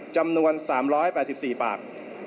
จำนวน๓๘๔ปาก